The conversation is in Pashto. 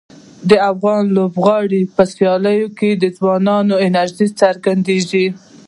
د افغان لوبغاړو په سیالیو کې د ځوانانو انرژي څرګندیږي.